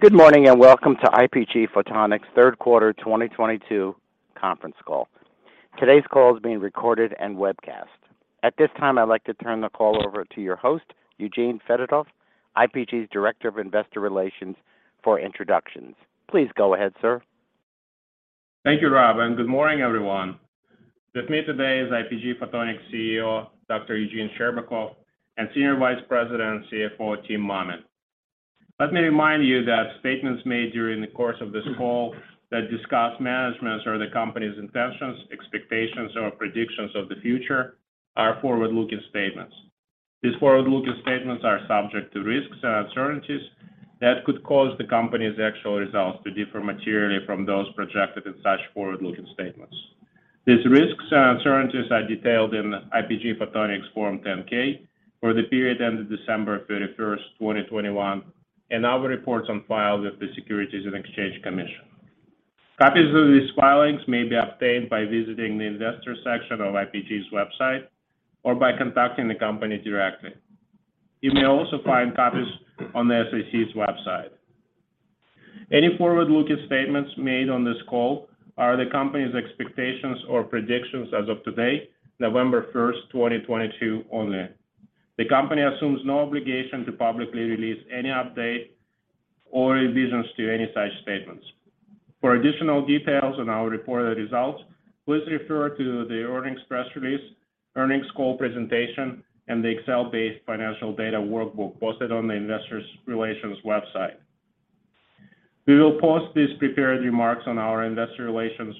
Good morning and welcome to IPG Photonics' third quarter 2022 conference call. Today's call is being recorded and webcast. At this time, I'd like to turn the call over to your host, Eugene Fedotoff, IPG's Director of Investor Relations for introductions. Please go ahead, sir. Thank you, Rob, and good morning, everyone. With me today is IPG Photonics CEO, Dr. Eugene Scherbakov, and Senior Vice President and CFO, Tim Mammen. Let me remind you that statements made during the course of this call that discuss management or the company's intentions, expectations, or predictions of the future are forward-looking statements. These forward-looking statements are subject to risks and uncertainties that could cause the company's actual results to differ materially from those projected in such forward-looking statements. These risks and uncertainties are detailed in IPG Photonics Form 10-K for the period ended December 31st, 2021, and our reports on file with the Securities and Exchange Commission. Copies of these filings may be obtained by visiting the investor section of IPG's website or by contacting the company directly. You may also find copies on the SEC's website. Any forward-looking statements made on this call are the company's expectations or predictions as of today, November 1st, 2022 only. The company assumes no obligation to publicly release any update or revisions to any such statements. For additional details on our reported results, please refer to the earnings press release, earnings call presentation, and the Excel-based financial data workbook posted on the investor relations website. We will post these prepared remarks on our investor relations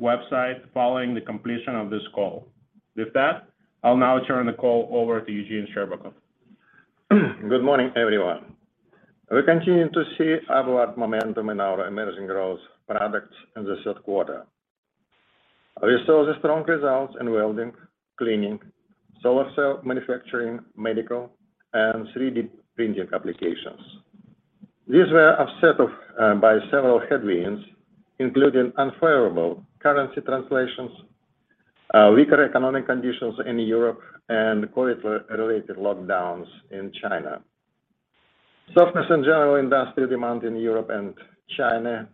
website following the completion of this call. With that, I'll now turn the call over to Eugene Scherbakov. Good morning, everyone. We continue to see upward momentum in our emerging growth products in the third quarter. We saw the strong results in welding, cleaning, solar cell manufacturing, medical, and 3D printing applications. These were offset by several headwinds, including unfavorable currency translations, weaker economic conditions in Europe, and COVID-related lockdowns in China. Softness in general industrial demand in Europe and China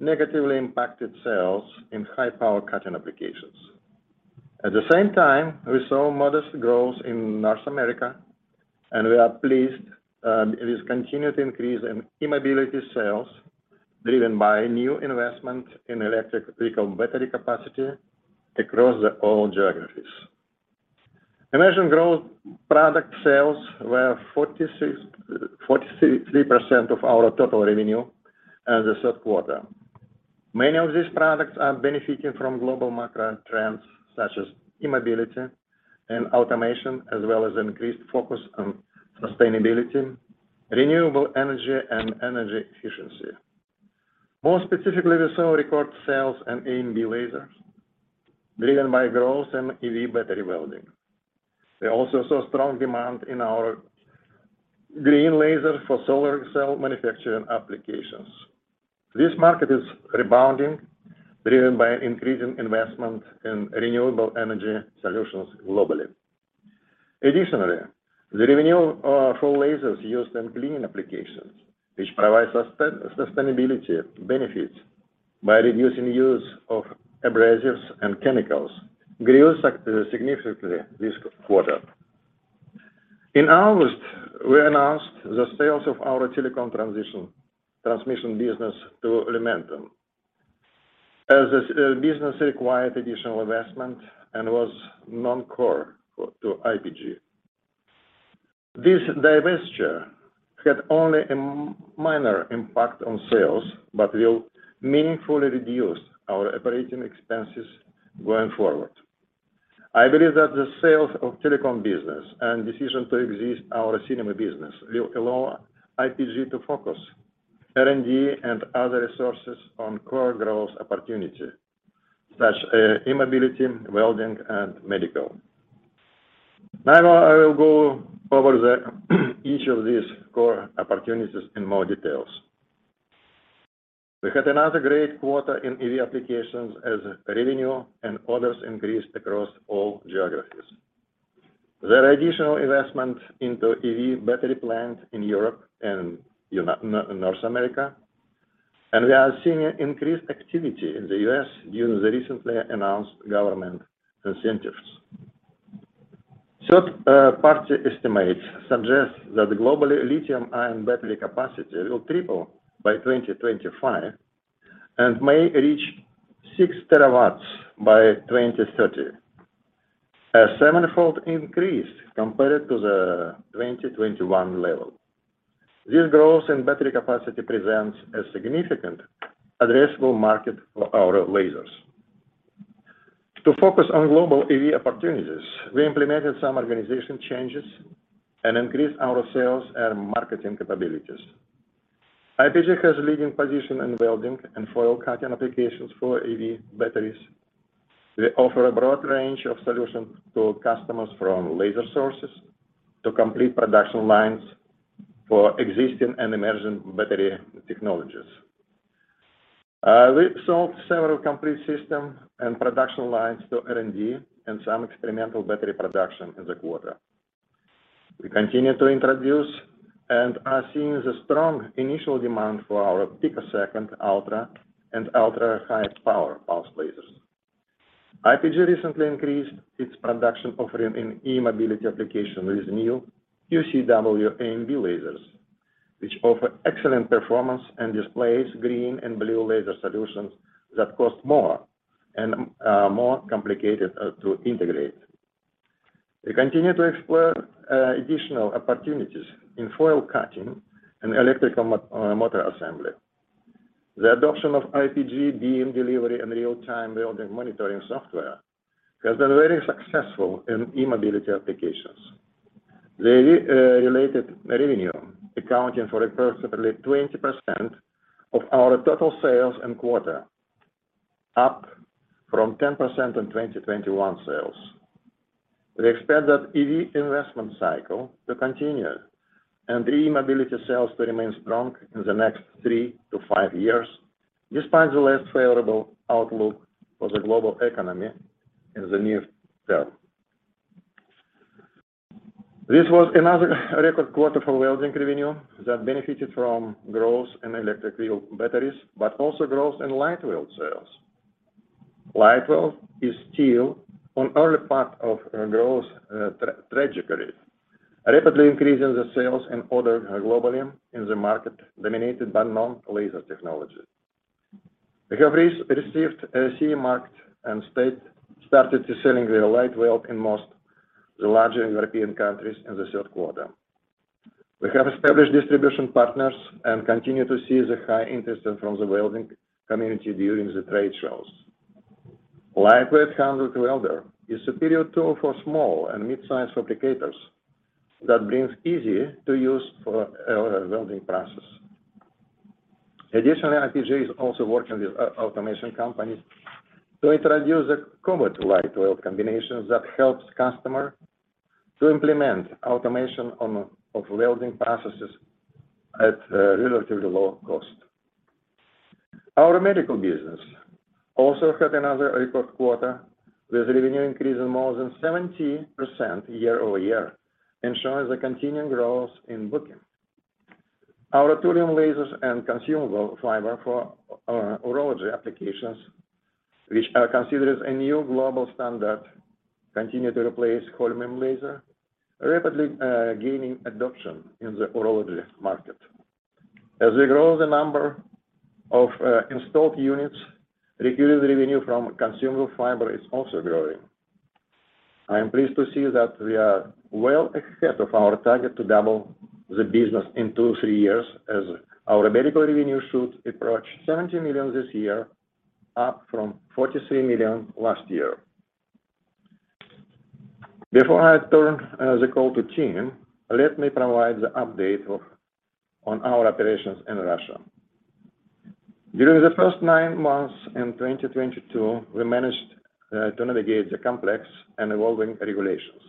negatively impacted sales in high-power cutting applications. At the same time, we saw modest growth in North America, and we are pleased with this continued increase in e-mobility sales, driven by new investment in electric vehicle battery capacity across all geographies. Emerging growth product sales were 46%-43% of our total revenue in the third quarter. Many of these products are benefiting from global macro trends such as e-mobility and automation, as well as increased focus on sustainability, renewable energy, and energy efficiency. More specifically, we saw record sales in AMB lasers, driven by growth in EV battery welding. We also saw strong demand in our green laser for solar cell manufacturing applications. This market is rebounding, driven by an increasing investment in renewable energy solutions globally. Additionally, the revenue for lasers used in clean applications, which provide sustainability benefits by reducing use of abrasives and chemicals, grew significantly this quarter. In August, we announced the sale of our telecom transmission business to Lumentum, as this business required additional investment and was non-core to IPG. This divestiture had only a minor impact on sales, but will meaningfully reduce our operating expenses going forward. I believe that the sale of telecom business and decision to exit our cinema business will allow IPG to focus R&D and other resources on core growth opportunity, such as e-mobility, welding, and medical. I will go over each of these core opportunities in more detail. We had another great quarter in EV applications as revenue and orders increased across all geographies. There are additional investments in EV battery plants in Europe and North America, and we are seeing increased activity in the U.S. due to the recently announced government incentives. Third-party estimates suggest that the global lithium-ion battery capacity will triple by 2025 and may reach six terawatts by 2030, a seven-fold increase compared to the 2021 level. This growth in battery capacity presents a significant addressable market for our lasers. To focus on global EV opportunities, we implemented some organizational changes and increased our sales and marketing capabilities. IPG has a leading position in welding and foil cutting applications for EV batteries. We offer a broad range of solutions to customers from laser sources to complete production lines for existing and emerging battery technologies. We've sold several complete systems and production lines to R&D and some experimental battery production in the quarter. We continue to introduce and are seeing strong initial demand for our picosecond, ultra, and ultra-high power pulse lasers. IPG recently increased its production offering in e-mobility application with new QCW AMB lasers, which offer excellent performance and displace green and blue laser solutions that cost more and are more complicated to integrate. We continue to explore additional opportunities in foil cutting and electric motor assembly. The adoption of IPG beam delivery and real-time welding monitoring software has been very successful in e-mobility applications. The related revenue accounts for approximately 20% of our total sales in the quarter, up from 10% in 2021 sales. We expect that EV investment cycle to continue and e-mobility sales to remain strong in the next three to five years, despite the less favorable outlook for the global economy in the near term. This was another record quarter for welding revenue that benefited from growth in EV batteries, but also growth in LightWELD sales. LightWELD is still in early part of growth trajectory, rapidly increasing the sales and orders globally in the market dominated by non-laser technology. We have received a CE mark and started selling the LightWELD in most of the larger European countries in the third quarter. We have established distribution partners and continue to see high interest from the welding community during the trade shows. LightWELD handheld welder is superior tool for small and midsize fabricators that brings easy to use for welding process. Additionally, IPG is also working with automation companies to introduce cobots-LightWELD combinations that helps customer to implement automation of welding processes at a relatively low cost. Our medical business also had another record quarter with revenue increase in more than 70% year-over-year, ensuring the continuing growth in booking. Our ytterbium lasers and consumable fiber for urology applications, which are considered as a new global standard, continue to replace holmium laser, rapidly gaining adoption in the urology market. As we grow the number of installed units, recurring revenue from consumable fiber is also growing. I am pleased to see that we are well ahead of our target to double the business in two, three years as our medical revenue should approach $70 million this year, up from $43 million last year. Before I turn the call to Tim, let me provide the update on our operations in Russia. During the first nine months in 2022, we managed to navigate the complex and evolving regulations,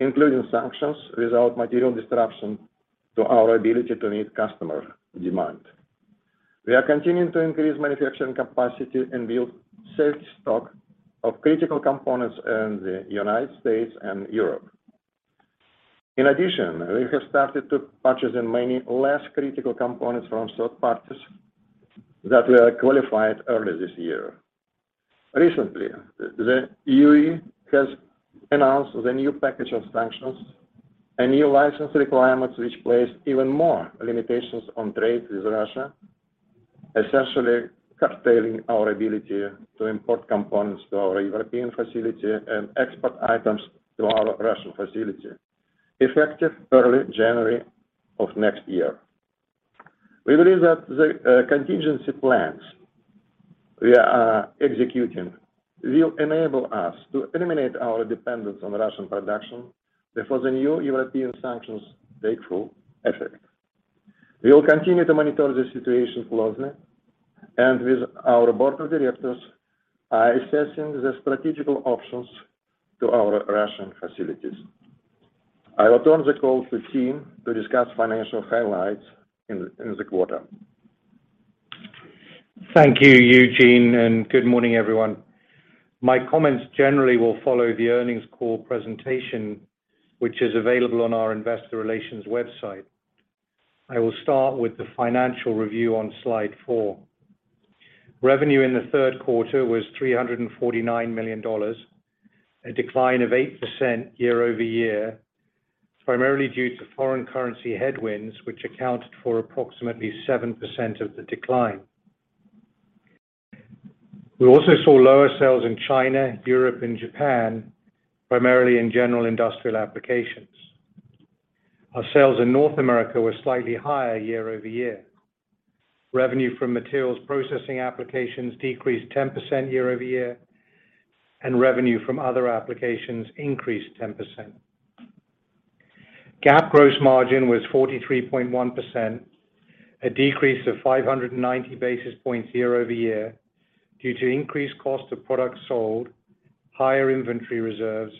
including sanctions, without material disruption to our ability to meet customer demand. We are continuing to increase manufacturing capacity and build safe stock of critical components in the United States and Europe. In addition, we have started to purchase many less critical components from third parties that were qualified earlier this year. Recently, the EU has announced the new package of sanctions and new license requirements, which place even more limitations on trade with Russia, essentially curtailing our ability to import components to our European facility and export items to our Russian facility, effective early January of next year. We believe that the contingency plans we are executing will enable us to eliminate our dependence on Russian production before the new European sanctions take full effect. We will continue to monitor the situation closely, and with our board of directors are assessing the strategic options to our Russian facilities. I return the call to Tim to discuss financial highlights in the quarter. Thank you, Eugene, and good morning, everyone. My comments generally will follow the earnings call presentation, which is available on our investor relations website. I will start with the financial review on slide four. Revenue in the third quarter was $349 million, a decline of 8% year-over-year, primarily due to foreign currency headwinds, which accounted for approximately 7% of the decline. We also saw lower sales in China, Europe, and Japan, primarily in general industrial applications. Our sales in North America were slightly higher year-over-year. Revenue from materials processing applications decreased 10% year-over-year, and revenue from other applications increased 10%. GAAP gross margin was 43.1%, a decrease of 590 basis points year-over-year due to increased cost of products sold, higher inventory reserves,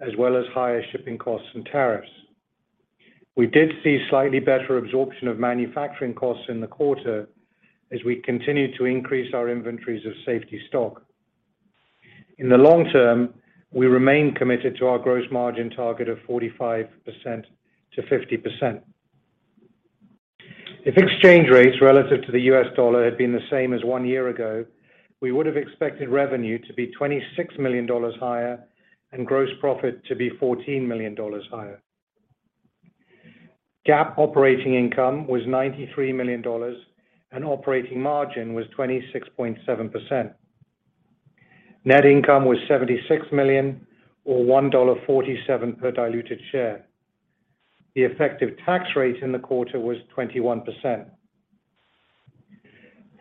as well as higher shipping costs and tariffs. We did see slightly better absorption of manufacturing costs in the quarter as we continued to increase our inventories of safety stock. In the long term, we remain committed to our gross margin target of 45%-50%. If exchange rates relative to the U.S. dollar had been the same as one year ago, we would have expected revenue to be $26 million higher and gross profit to be $14 million higher. GAAP operating income was $93 million, and operating margin was 26.7%. Net income was $76 million or $1.47 per diluted share. The effective tax rate in the quarter was 21%.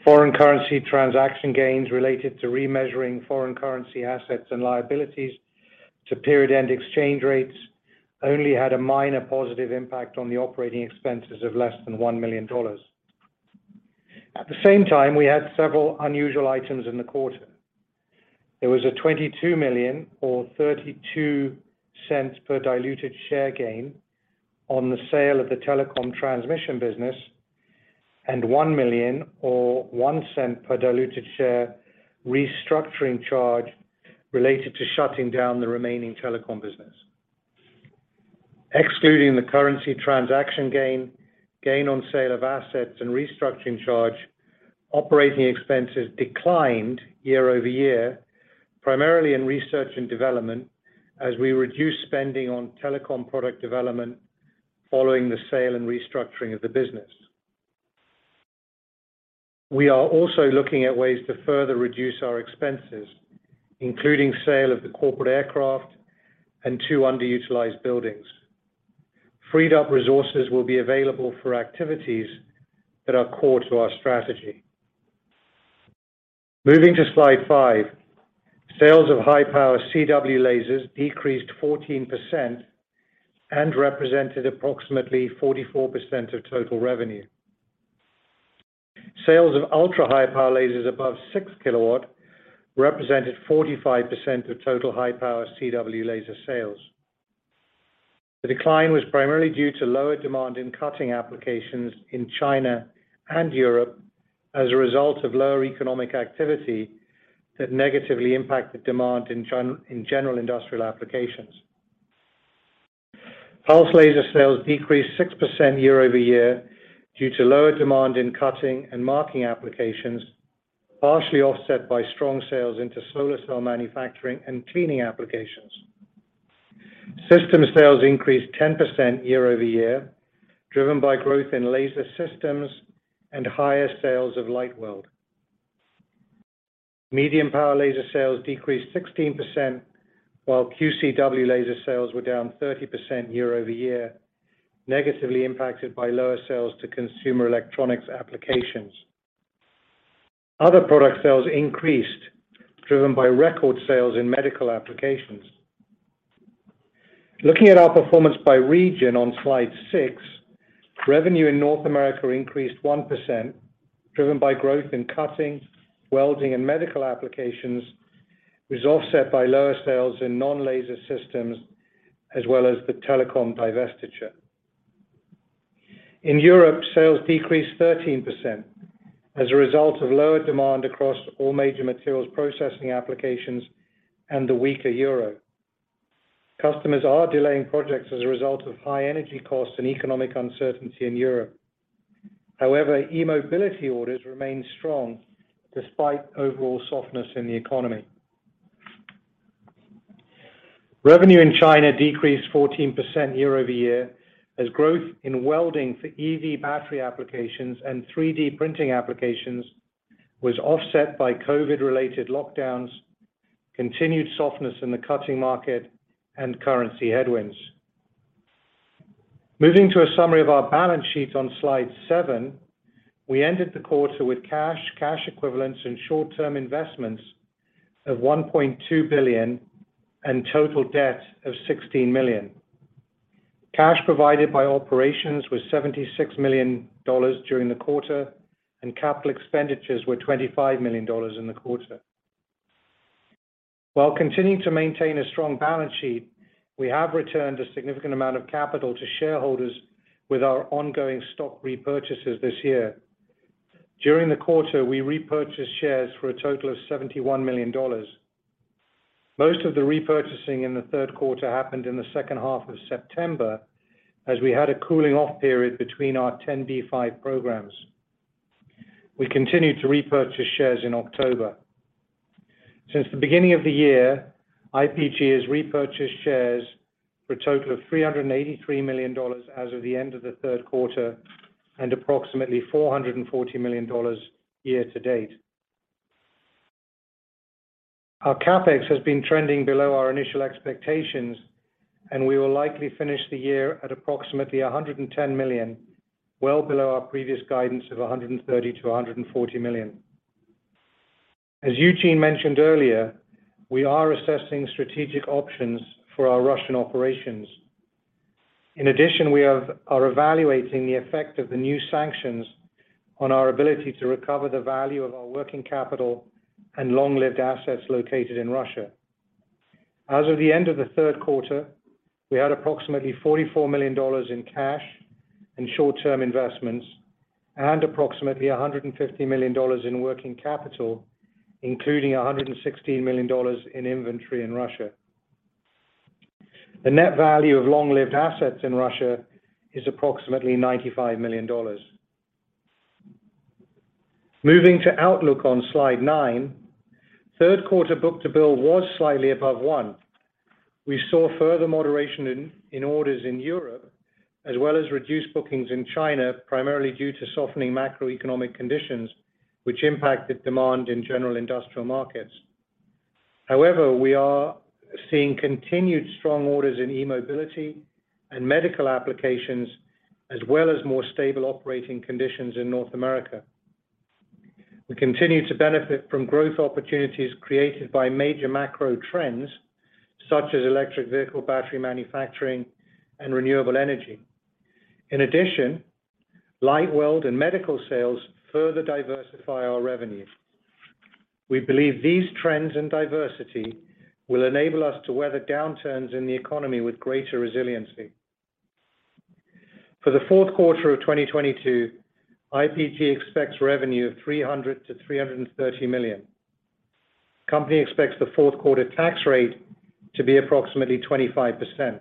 Foreign currency transaction gains related to remeasuring foreign currency assets and liabilities to period-end exchange rates only had a minor positive impact on the operating expenses of less than $1 million. At the same time, we had several unusual items in the quarter. There was a $22 million or $0.32 per diluted share gain on the sale of the telecom transmission business and $1 million or $0.01 per diluted share restructuring charge related to shutting down the remaining telecom business. Excluding the currency transaction gain on sale of assets, and restructuring charge, operating expenses declined year-over-year, primarily in research and development as we reduced spending on telecom product development following the sale and restructuring of the business. We are also looking at ways to further reduce our expenses, including sale of the corporate aircraft and two underutilized buildings. Freed up resources will be available for activities that are core to our strategy. Moving to slide five. Sales of high-power CW lasers decreased 14% and represented approximately 44% of total revenue. Sales of ultra-high power lasers above six kW represented 45% of total high-power CW laser sales. The decline was primarily due to lower demand in cutting applications in China and Europe as a result of lower economic activity that negatively impacted demand in general industrial applications. Pulse laser sales decreased 6% year-over-year due to lower demand in cutting and marking applications, partially offset by strong sales into solar cell manufacturing and cleaning applications. Systems sales increased 10% year-over-year, driven by growth in laser systems and higher sales of LightWELD. Medium power laser sales decreased 16%, while QCW laser sales were down 30% year-over-year, negatively impacted by lower sales to consumer electronics applications. Other product sales increased, driven by record sales in medical applications. Looking at our performance by region on slide six, revenue in North America increased 1%, driven by growth in cutting, welding, and medical applications, was offset by lower sales in non-laser systems, as well as the telecom divestiture. In Europe, sales decreased 13% as a result of lower demand across all major materials processing applications and the weaker euro. Customers are delaying projects as a result of high energy costs and economic uncertainty in Europe. However, e-mobility orders remain strong despite overall softness in the economy. Revenue in China decreased 14% year-over-year as growth in welding for EV battery applications and 3D printing applications was offset by COVID-related lockdowns, continued softness in the cutting market, and currency headwinds. Moving to a summary of our balance sheet on slide seven. We ended the quarter with cash equivalents, and short-term investments of $1.2 billion and total debt of $16 million. Cash provided by operations was $76 million during the quarter, and capital expenditures were $25 million in the quarter. While continuing to maintain a strong balance sheet, we have returned a significant amount of capital to shareholders with our ongoing stock repurchases this year. During the quarter, we repurchased shares for a total of $71 million. Most of the repurchasing in the third quarter happened in the second half of September as we had a cooling off period between our 10b5-1 programs. We continued to repurchase shares in October. Since the beginning of the year, IPG has repurchased shares for a total of $383 million as of the end of the third quarter and approximately $440 million year to date. Our CapEx has been trending below our initial expectations, and we will likely finish the year at approximately $110 million, well below our previous guidance of $130-$140 million. As Eugene mentioned earlier, we are assessing strategic options for our Russian operations. In addition, we are evaluating the effect of the new sanctions on our ability to recover the value of our working capital and long-lived assets located in Russia. As of the end of the third quarter, we had approximately $44 million in cash and short-term investments and approximately $150 million in working capital, including $116 million in inventory in Russia. The net value of long-lived assets in Russia is approximately $95 million. Moving to outlook on slide nine. Third quarter book-to-bill was slightly above one. We saw further moderation in orders in Europe, as well as reduced bookings in China, primarily due to softening macroeconomic conditions, which impacted demand in general industrial markets. However, we are seeing continued strong orders in e-mobility and medical applications, as well as more stable operating conditions in North America. We continue to benefit from growth opportunities created by major macro trends such as electric vehicle battery manufacturing and renewable energy. In addition, LightWELD and medical sales further diversify our revenue. We believe these trends and diversity will enable us to weather downturns in the economy with greater resiliency. For the fourth quarter of 2022, IPG expects revenue of $300-$330 million. Company expects the fourth quarter tax rate to be approximately 25%.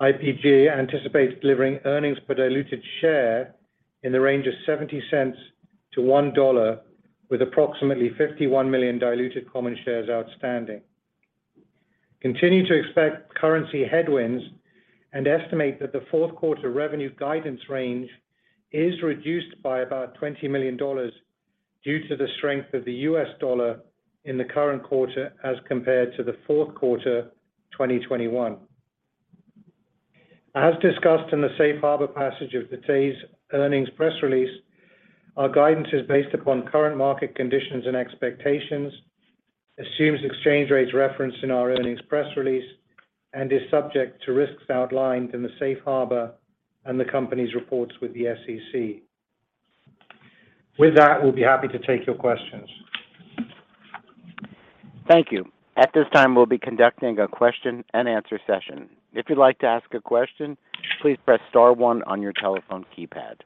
IPG anticipates delivering earnings per diluted share in the range of $0.70-$1.00, with approximately 51 million diluted common shares outstanding. Continue to expect currency headwinds and estimate that the fourth quarter revenue guidance range is reduced by about $20 million due to the strength of the U.S. dollar in the current quarter as compared to the fourth quarter, 2021. As discussed in the Safe Harbor passage of today's earnings press release, our guidance is based upon current market conditions and expectations, assumes exchange rates referenced in our earnings press release, and is subject to risks outlined in the Safe Harbor and the company's reports with the SEC. With that, we'll be happy to take your questions. Thank you. At this time, we'll be conducting a question and answer session. If you'd like to ask a question, please press star one on your telephone keypad.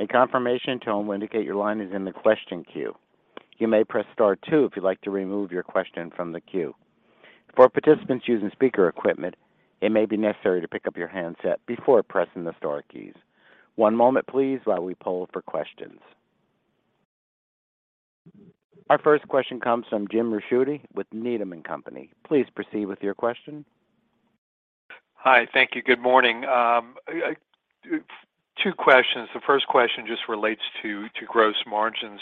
A confirmation tone will indicate your line is in the question queue. You may press star two if you'd like to remove your question from the queue. For participants using speaker equipment, it may be necessary to pick up your handset before pressing the star keys. One moment please while we poll for questions. Our first question comes from Jim Ricchiuti with Needham & Company. Please proceed with your question. Hi. Thank you. Good morning. Two questions. The first question just relates to gross margins.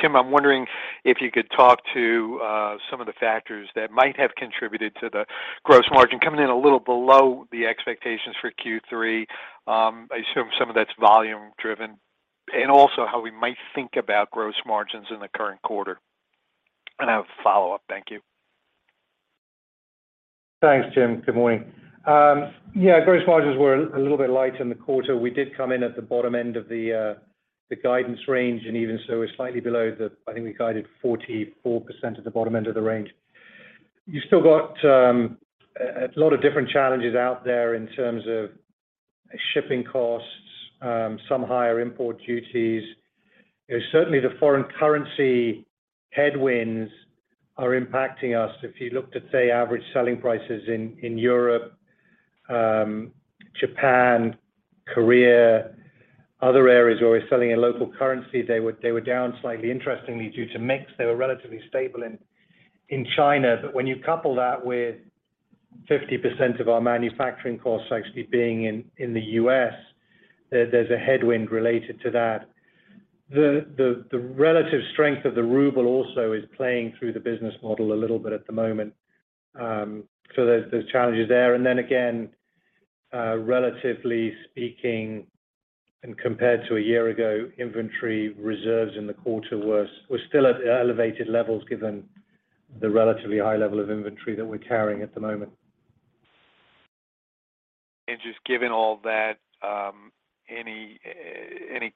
Tim, I'm wondering if you could talk to some of the factors that might have contributed to the gross margin coming in a little below the expectations for Q3. I assume some of that's volume driven, and also how we might think about gross margins in the current quarter. I have a follow-up. Thank you. Thanks, Jim. Good morning. Yeah, gross margins were a little bit light in the quarter. We did come in at the bottom end of the guidance range, and even so we're slightly below the. I think we guided 44% at the bottom end of the range. You still got a lot of different challenges out there in terms of shipping costs, some higher import duties. You know, certainly the foreign currency headwinds are impacting us. If you looked at, say, average selling prices in Europe, Japan, Korea, other areas where we're selling in local currency, they were down slightly. Interestingly, due to mix, they were relatively stable in China. But when you couple that with 50% of our manufacturing costs actually being in the U.S., there's a headwind related to that. The relative strength of the ruble also is playing through the business model a little bit at the moment. There's challenges there. Again, relatively speaking and compared to a year ago, inventory reserves in the quarter were still at elevated levels given the relatively high level of inventory that we're carrying at the moment. Just given all that, any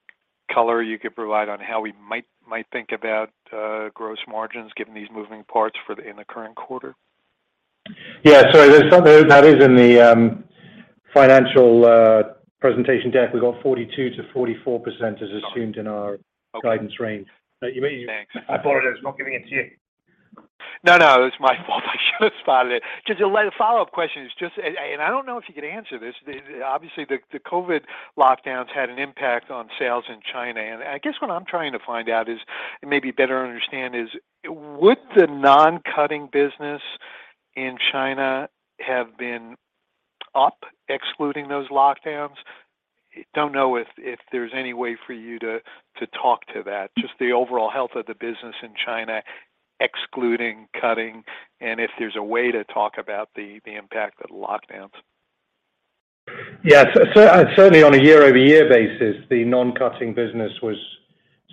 color you could provide on how we might think about gross margins given these moving parts in the current quarter? That is in the financial presentation deck. We've got 42%-44% as assumed in our- Okay. guidance range. You may Thanks. I thought I was not giving it to you. No, no, it's my fault. I should have spotted it. Just a light follow-up question, and I don't know if you could answer this. Obviously, the COVID lockdowns had an impact on sales in China. I guess what I'm trying to find out, and maybe better understand, is would the non-cutting business in China have been up excluding those lockdowns? Don't know if there's any way for you to talk to that, just the overall health of the business in China, excluding cutting, and if there's a way to talk about the impact of the lockdowns. Yes. Certainly on a year-over-year basis, the non-cutting business was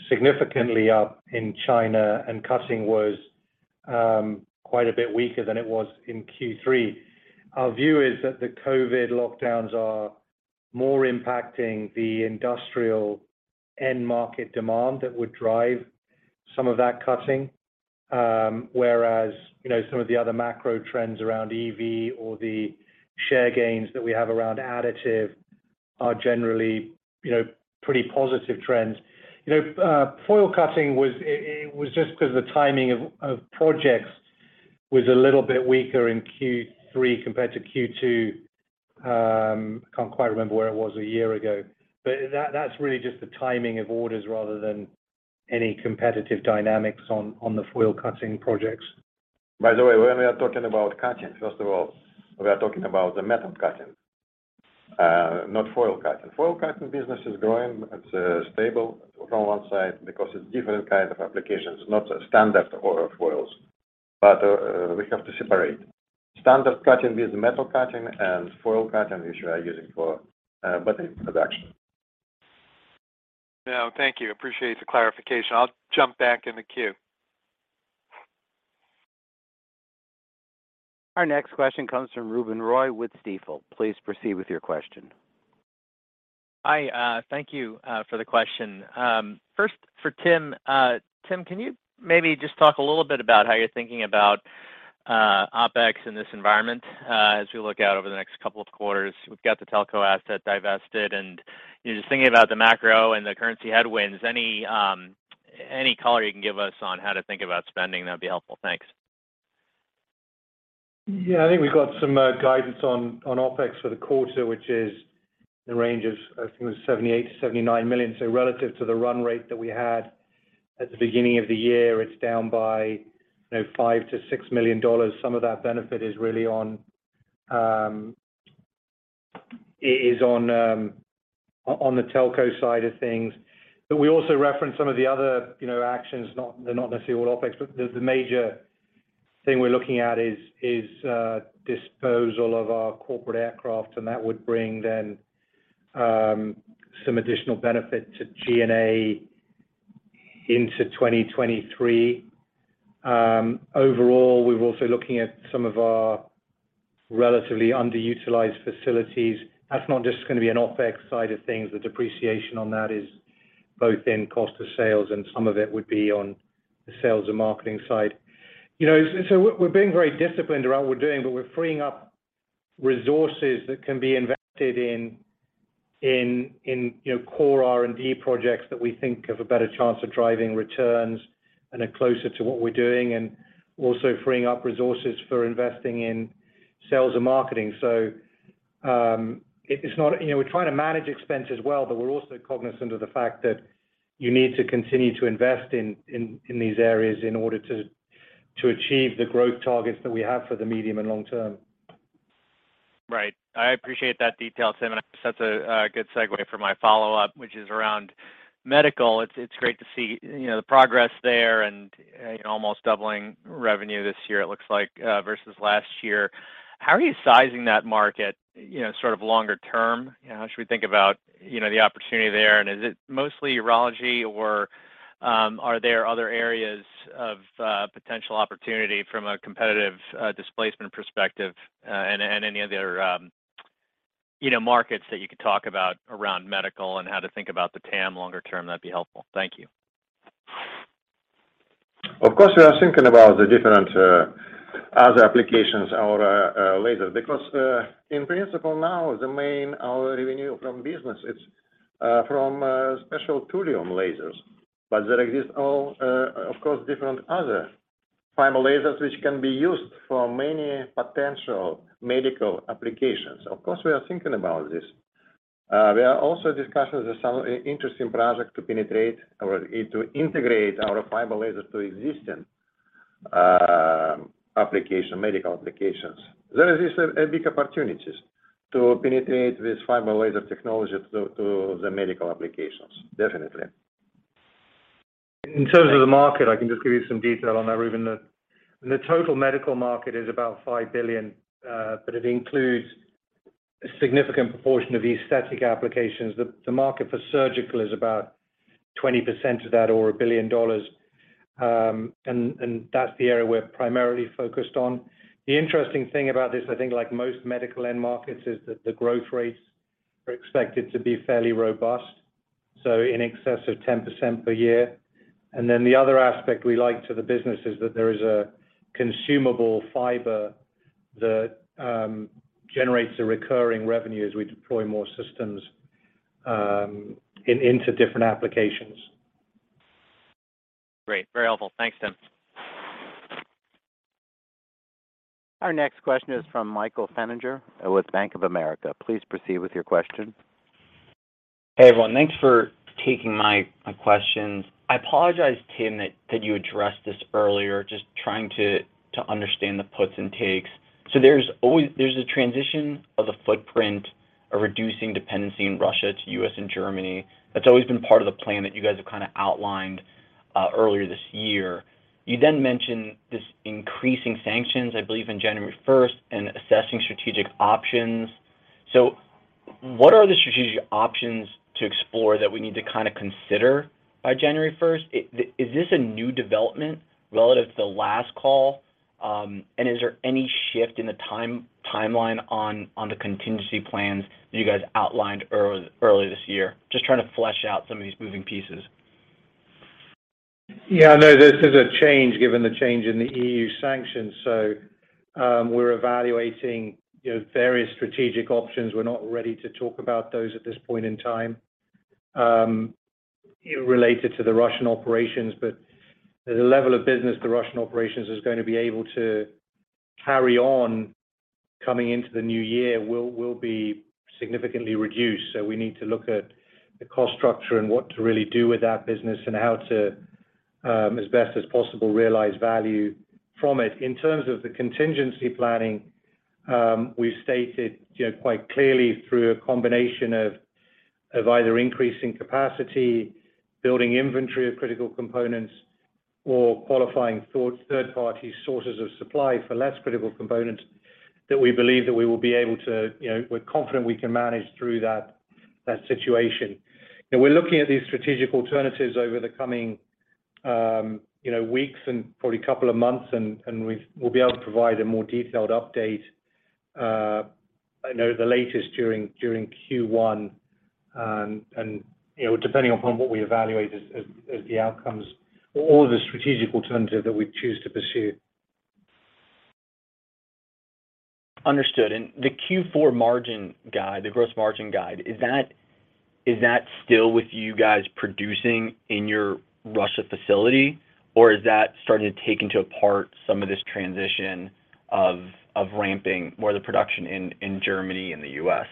significantly up in China, and cutting was quite a bit weaker than it was in Q3. Our view is that the COVID lockdowns are more impacting the industrial end-market demand that would drive some of that cutting. Whereas, you know, some of the other macro trends around EV or the share gains that we have around additive are generally, you know, pretty positive trends. You know, foil cutting was. It was just 'cause the timing of projects was a little bit weaker in Q3 compared to Q2. Can't quite remember where it was a year ago. That's really just the timing of orders rather than any competitive dynamics on the foil cutting projects. By the way, when we are talking about cutting, first of all, we are talking about the metal cutting, not foil cutting. Foil cutting business is growing. It's stable from one side because it's different kind of applications, not standard foil. But we have to separate. Standard cutting means metal cutting, and foil cutting, which we are using for battery production. No, thank you. Appreciate the clarification. I'll jump back in the queue. Our next question comes from Ruben Roy with Stifel. Please proceed with your question. Hi, thank you for the question. First for Tim. Tim, can you maybe just talk a little bit about how you're thinking about OpEx in this environment as we look out over the next couple of quarters? We've got the telco asset divested, and just thinking about the macro and the currency headwinds, any color you can give us on how to think about spending, that'd be helpful. Thanks. Yeah. I think we've got some guidance on OpEx for the quarter, which is in the range of, I think it was $78-$79 million. Relative to the run rate that we had at the beginning of the year, it's down by, you know, $5-$6 million. Some of that benefit is really on the telco side of things. We also referenced some of the other, you know, actions. They're not necessarily all OpEx. The major thing we're looking at is disposal of our corporate aircraft, and that would bring then some additional benefit to G&A into 2023. Overall, we're also looking at some of our relatively underutilized facilities. That's not just gonna be an OpEx side of things. The depreciation on that is both in cost of sales, and some of it would be on the sales and marketing side. You know, we're being very disciplined around what we're doing, but we're freeing up resources that can be invested in, you know, core R&D projects that we think have a better chance of driving returns and are closer to what we're doing, and also freeing up resources for investing in sales and marketing. You know, we're trying to manage expense as well, but we're also cognizant of the fact that you need to continue to invest in these areas in order to achieve the growth targets that we have for the medium and long term. Right. I appreciate that detail, Tim, and that's a good segue for my follow-up, which is around medical. It's great to see, you know, the progress there and, you know, almost doubling revenue this year it looks like, versus last year. How are you sizing that market, you know, sort of longer term? You know, should we think about, you know, the opportunity there, and is it mostly urology or, are there other areas of, potential opportunity from a competitive, displacement perspective? And any other, you know, markets that you could talk about around medical and how to think about the TAM longer term, that'd be helpful. Thank you. Of course, we are thinking about the different other applications our laser. Because in principle now, the main our revenue from business, it's from special thulium lasers. There exist all of course, different other fiber lasers which can be used for many potential medical applications. Of course, we are thinking about this. We are also discussing some interesting project to penetrate or to integrate our fiber lasers to existing application, medical applications. There is a big opportunities to penetrate this fiber laser technology to the medical applications. Definitely. In terms of the market, I can just give you some detail on that, Ruben. The total medical market is about $5 billion, but it includes a significant proportion of the aesthetic applications. The market for surgical is about 20% of that or $1 billion. That's the area we're primarily focused on. The interesting thing about this, I think like most medical end markets, is that the growth rates are expected to be fairly robust, so in excess of 10% per year. The other aspect we like to the business is that there is a consumable fiber that generates a recurring revenue as we deploy more systems into different applications. Great. Very helpful. Thanks, Tim. Our next question is from Michael Feniger with Bank of America. Please proceed with your question. Hey, everyone. Thanks for taking my questions. I apologize, Tim, that you addressed this earlier. Just trying to understand the puts and takes. There's a transition of the footprint of reducing dependency in Russia to U.S. and Germany. That's always been part of the plan that you guys have kinda outlined earlier this year. You then mentioned this increasing sanctions, I believe in January first, and assessing strategic options. What are the strategic options to explore that we need to kinda consider by January first? Is this a new development relative to the last call? And is there any shift in the timeline on the contingency plans that you guys outlined earlier this year? Just trying to flesh out some of these moving pieces. Yeah, no, this is a change given the change in the EU sanctions. We're evaluating, you know, various strategic options. We're not ready to talk about those at this point in time. Related to the Russian operations, but the level of business, the Russian operations is going to be able to carry on coming into the new year will be significantly reduced. We need to look at the cost structure and what to really do with that business and how to, as best as possible realize value from it. In terms of the contingency planning, we've stated, you know, quite clearly through a combination of either increasing capacity, building inventory of critical components, or qualifying third-party sources of supply for less critical components that we believe that we will be able to, you know, we're confident we can manage through that situation. You know, we're looking at these strategic alternatives over the coming weeks and probably couple of months, and we'll be able to provide a more detailed update, I know the latest during Q1, and, you know, depending upon what we evaluate as the outcomes or the strategic alternative that we choose to pursue. Understood. The Q4 margin guide, the gross margin guide, is that still with you guys producing in your Russia facility, or is that starting to take into part some of this transition of ramping more of the production in Germany and the U.S.?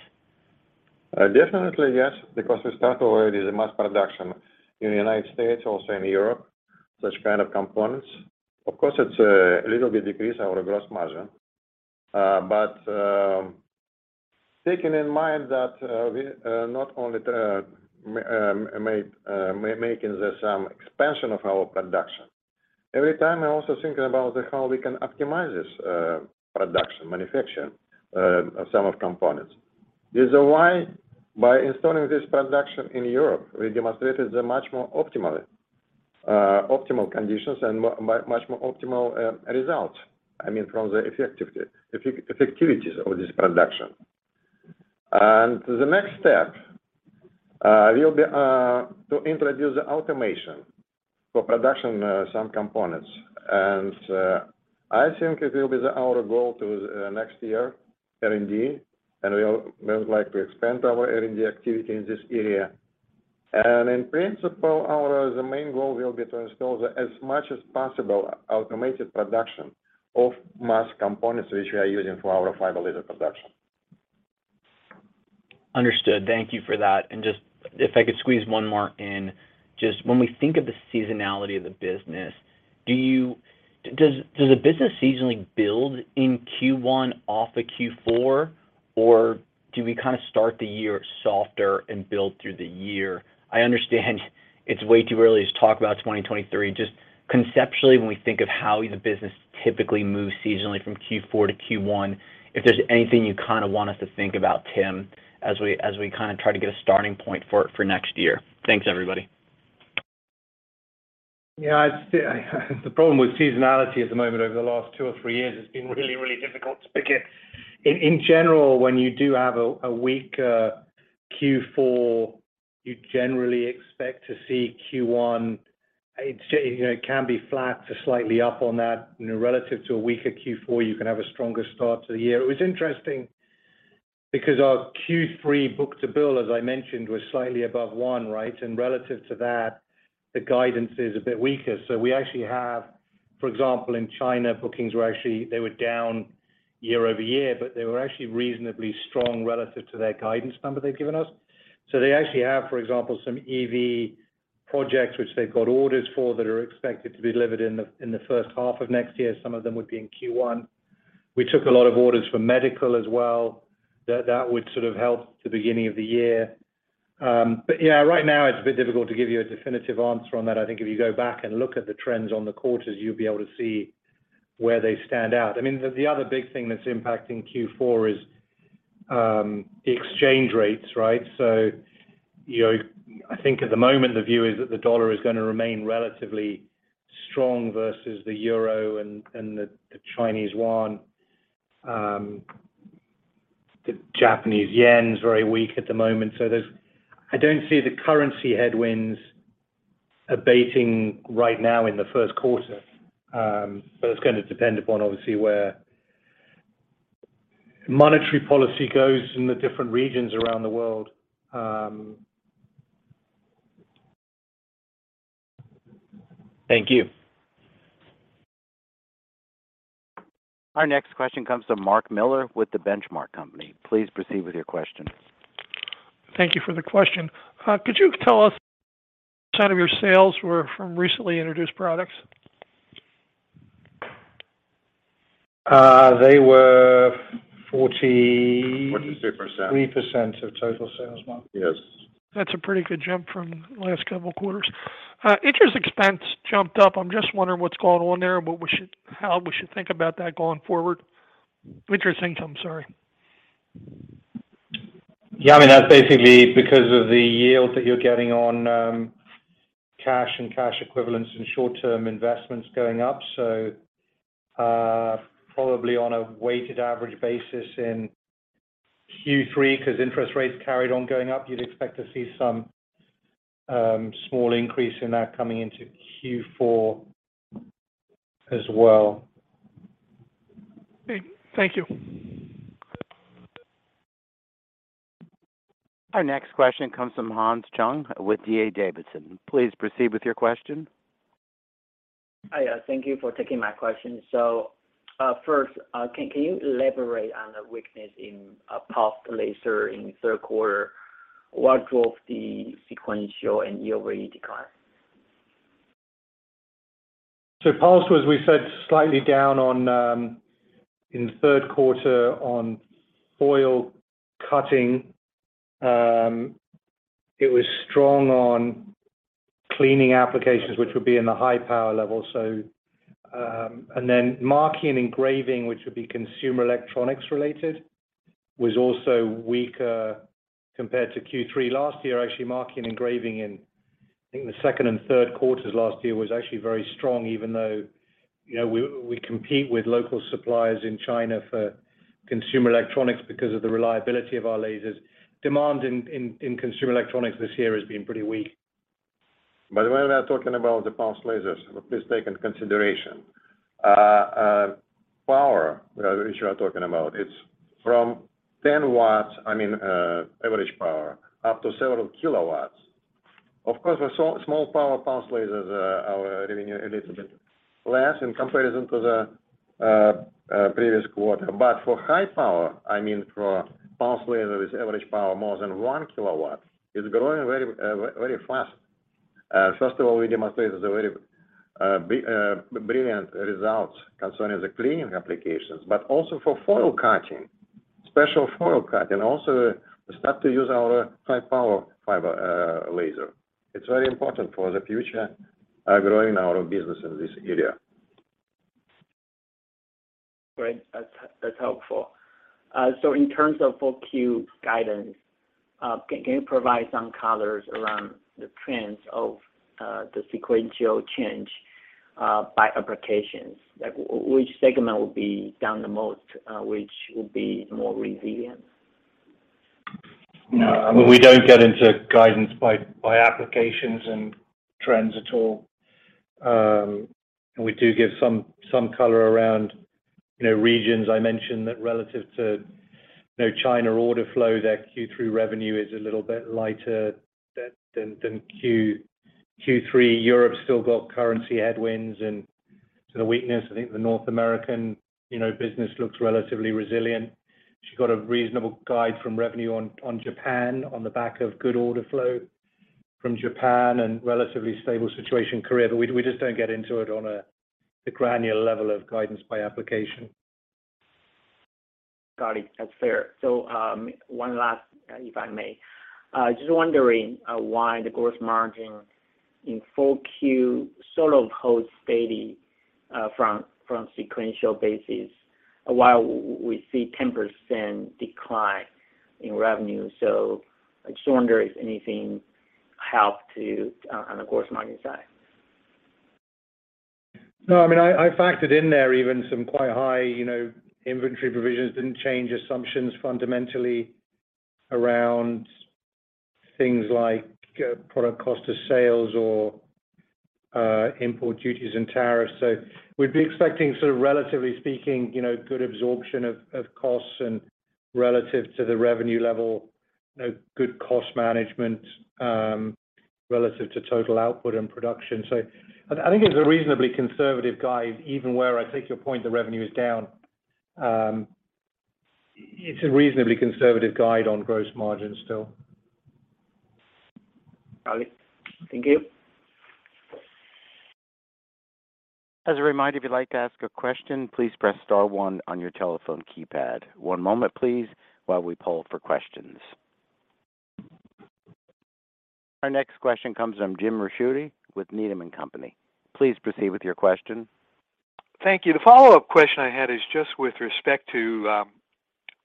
Definitely yes, because we start already the mass production in the United States, also in Europe, such kind of components. Of course, it's a little bit decrease our gross margin. But taking in mind that we not only making this expansion of our production. Every time I also thinking about how we can optimize this production, manufacturing of some of components. This is why by installing this production in Europe, we demonstrated the much more optimal conditions and much more optimal results, I mean, from the efficiencies of this production. The next step will be to introduce automation for production some components. I think it will be our goal to next year R&D, and we would like to expand our R&D activity in this area. In principle, the main goal will be to install as much as possible automated production of mass components which we are using for our fiber laser production. Understood. Thank you for that. Just if I could squeeze one more in. Just when we think of the seasonality of the business, does the business seasonally build in Q1 off of Q4, or do we kind of start the year softer and build through the year? I understand it's way too early to talk about 2023. Just conceptually, when we think of how the business typically moves seasonally from Q4 to Q1, if there's anything you kind of want us to think about, Tim, as we kind of try to get a starting point for next year. Thanks, everybody. Yeah, I'd say the problem with seasonality at the moment over the last two or three years has been really, really difficult because in general, when you do have a weaker Q4, you generally expect to see Q1. You know, it can be flat to slightly up on that. You know, relative to a weaker Q4, you can have a stronger start to the year. It was interesting because our Q3 book-to-bill, as I mentioned, was slightly above one, right? Relative to that, the guidance is a bit weaker. We actually have, for example, in China, bookings were actually down year-over-year, but they were actually reasonably strong relative to their guidance number they've given us. They actually have, for example, some EV projects which they've got orders for that are expected to be delivered in the first half of next year. Some of them would be in Q1. We took a lot of orders for medical as well. That would sort of help to beginning of the year. But yeah, right now it's a bit difficult to give you a definitive answer on that. I think if you go back and look at the trends on the quarters, you'll be able to see where they stand out. I mean, the other big thing that's impacting Q4 is the exchange rates, right? You know, I think at the moment, the view is that the dollar is gonna remain relatively strong versus the euro and the Chinese yuan. The Japanese yen is very weak at the moment. I don't see the currency headwinds abating right now in the first quarter. It's gonna depend upon obviously where monetary policy goes in the different regions around the world. Thank you. Our next question comes from Mark Miller with The Benchmark Company. Please proceed with your question. Thank you for the question. Could you tell us what percent of your sales were from recently introduced products? They were 40. 43%. 43% of total sales, Mark. Yes. That's a pretty good jump from last couple of quarters. Interest expense jumped up. I'm just wondering what's going on there and how we should think about that going forward. Interest income, sorry. Yeah, I mean, that's basically because of the yield that you're getting on, cash and cash equivalents and short-term investments going up. Probably on a weighted average basis in Q3, 'cause interest rates carried on going up, you'd expect to see some, small increase in that coming into Q4 as well. Okay. Thank you. Our next question comes from Hans Chung with D.A. Davidson. Please proceed with your question. Hi. Thank you for taking my question. First, can you elaborate on the weakness in pulsed laser in the third quarter? What drove the sequential and year-over-year decline? Pulsed, as we said, slightly down in the third quarter on foil cutting. It was strong on cleaning applications, which would be in the high power level. Marking engraving, which would be consumer electronics related, was also weaker compared to Q3 last year. Actually, marking engraving in, I think, the second and third quarters last year was actually very strong, even though, you know, we compete with local suppliers in China for consumer electronics because of the reliability of our lasers. Demand in consumer electronics this year has been pretty weak. By the way, we are talking about the pulsed lasers. Please take into consideration. Power, the issue you are talking about, it's from 10 watts average power up to several kilowatts. Of course, the small power pulsed lasers are giving a little bit less in comparison to the previous quarter. But for high power, for pulse laser with average power more than one kilowatt, it's growing very, very fast. First of all, we demonstrated the very brilliant results concerning the cleaning applications, but also for foil cutting, special foil cutting, also start to use our high power fiber laser. It's very important for the future growing our business in this area. Great. That's helpful. In terms of 4Q guidance, can you provide some colors around the trends of the sequential change by applications? Like which segment will be down the most, which will be more resilient? No, I mean, we don't get into guidance by applications and trends at all. We do give some color around, you know, regions. I mentioned that relative to, you know, China order flow, their Q3 revenue is a little bit lighter than Q3. Europe still got currency headwinds and sort of weakness. I think the North American, you know, business looks relatively resilient. We've got a reasonable guide from revenue on Japan on the back of good order flow from Japan and relatively stable situation in Korea. We just don't get into it on the granular level of guidance by application. Got it. That's fair. One last, if I may. Just wondering why the gross margin in 4Q sort of holds steady from sequential basis, while we see 10% decline in revenue. I just wonder if anything helped to on the gross margin side. No, I mean, I factored in there even some quite high, you know, inventory provisions. Didn't change assumptions fundamentally around things like product cost of sales or import duties and tariffs. We'd be expecting sort of, relatively speaking, you know, good absorption of costs and relative to the revenue level, you know, good cost management relative to total output and production. I think it's a reasonably conservative guide, even where I take your point that revenue is down. It's a reasonably conservative guide on gross margins still. Got it. Thank you. As a reminder, if you'd like to ask a question, please press star one on your telephone keypad. One moment, please, while we poll for questions. Our next question comes from Jim Ricchiuti with Needham & Company. Please proceed with your question. Thank you. The follow-up question I had is just with respect to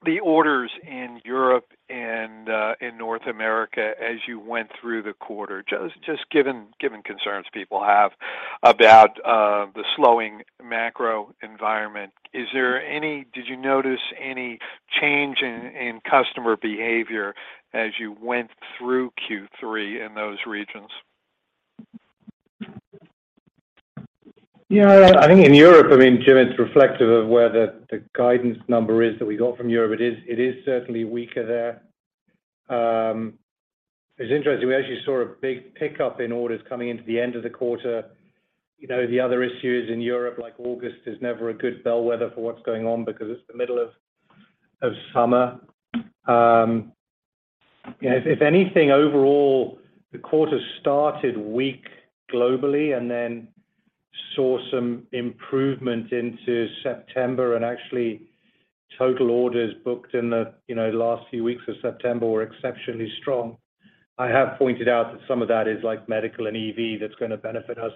the orders in Europe and in North America as you went through the quarter. Just given concerns people have about the slowing macro environment, did you notice any change in customer behavior as you went through Q3 in those regions? Yeah. I think in Europe, I mean, Jim, it's reflective of where the guidance number is that we got from Europe. It is certainly weaker there. It's interesting, we actually saw a big pickup in orders coming into the end of the quarter. You know, the other issue is in Europe, like August is never a good bellwether for what's going on because it's the middle of summer. You know, if anything, overall, the quarter started weak globally, and then saw some improvement into September. Actually, total orders booked in the last few weeks of September were exceptionally strong. I have pointed out that some of that is like medical and EV that's gonna benefit us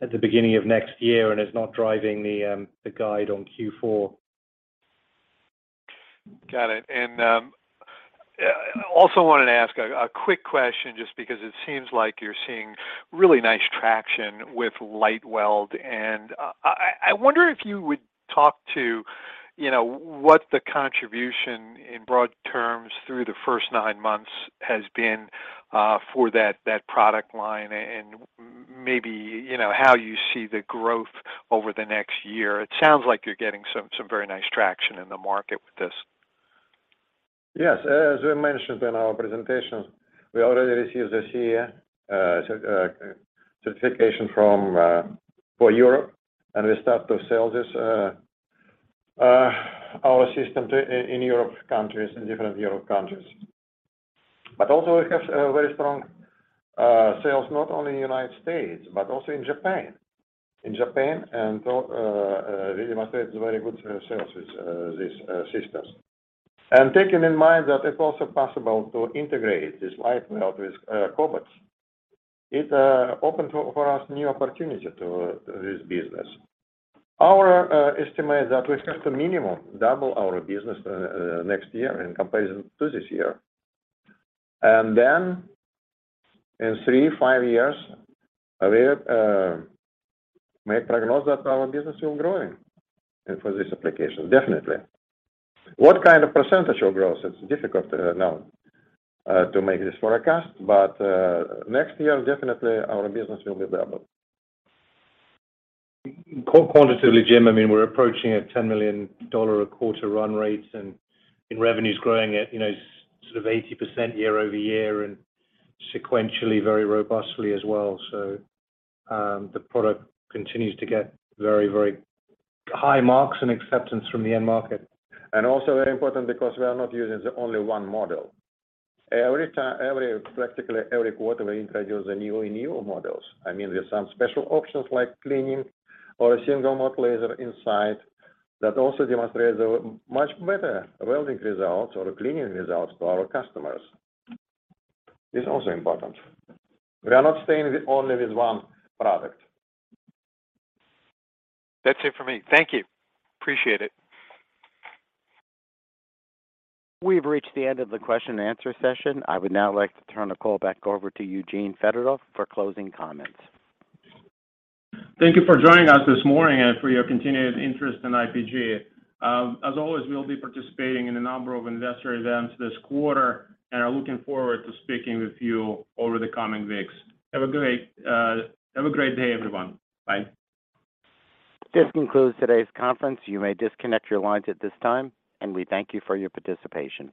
at the beginning of next year and is not driving the guide on Q4. Got it. also wanted to ask a quick question just because it seems like you're seeing really nice traction with LightWELD. I wonder if you would talk to, you know, what the contribution in broad terms through the first nine months has been, for that product line and maybe, you know, how you see the growth over the next year. It sounds like you're getting some very nice traction in the market with this. Yes. As we mentioned in our presentation, we already received this year CE certification for Europe, and we start to sell our system in European countries, in different European countries. Also we have a very strong sales not only in United States, but also in Japan. In Japan and really demonstrates very good sales with these systems. Taking in mind that it's also possible to integrate this LightWELD with cobots. It opened for us new opportunity to this business. Our estimate that we have to minimum double our business next year in comparison to this year. Then in three, five years, we may prognose that our business will growing for this application, definitely. What kind of percentage of growth? It's difficult now to make this forecast, but next year, definitely our business will be double. Quantitatively, Jim, I mean, we're approaching a $10 million a quarter run rate and revenue's growing at, you know, sort of 80% year-over-year and sequentially very robustly as well. The product continues to get very, very high marks and acceptance from the end market. Also very important because we are not using the only one model. Practically every quarter, we introduce a new and newer models. I mean, there's some special options like cleaning or a single-mode laser inside that also demonstrates a much better welding result or cleaning result to our customers. It's also important. We are not staying with only one product. That's it for me. Thank you. Appreciate it. We've reached the end of the question and answer session. I would now like to turn the call back over to Eugene Fedotoff for closing comments. Thank you for joining us this morning and for your continued interest in IPG. As always, we'll be participating in a number of investor events this quarter, and are looking forward to speaking with you over the coming weeks. Have a great day, everyone. Bye. This concludes today's conference. You may disconnect your lines at this time, and we thank you for your participation.